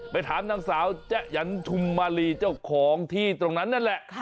ไปถามนางสาวแจ๊หยันทุมมาลีเจ้าของที่ตรงนั้นนั่นแหละ